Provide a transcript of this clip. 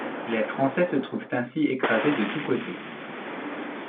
Les Français se trouvent ainsi écrasés de tous côtés.